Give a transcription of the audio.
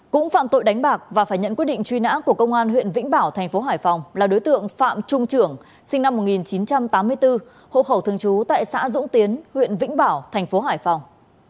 cũng phạm tội đánh bạc và phải nhận quyết định truy nã của công an huyện vĩnh bảo thành phố hải phòng là đối tượng phạm trung trưởng sinh năm một nghìn chín trăm tám mươi bốn hộ khẩu thường trú tại xã dũng tiến huyện vĩnh bảo thành phố hải phòng